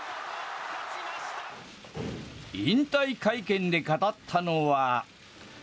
引退会見で語ったのは。